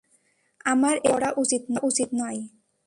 আমার এটা তো করা উচিত নয়।